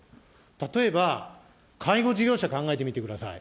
例えば介護事業者考えてみてください。